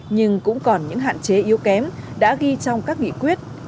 nhưng cũng còn những hạn chế yếu kém đã ghi trong các nghị quyết